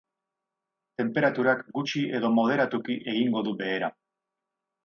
Tenperaturak gutxi edo moderatuki egingo du behera.